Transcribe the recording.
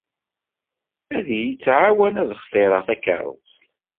Ad yi-tɛawen ad d-xtireɣ takeṛṛust.